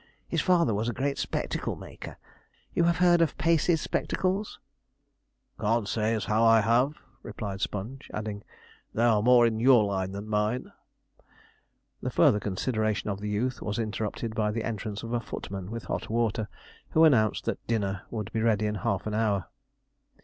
His father was a great spectacle maker. You have heard of Pacey's spectacles?' 'Can't say as how I have,' replied Sponge, adding, 'they are more in your line than mine.' The further consideration of the youth was interrupted by the entrance of a footman with hot water, who announced that dinner would be ready in half an hour.